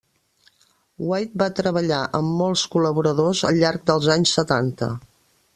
White va treballar amb molts col·laboradors al llarg dels anys setanta.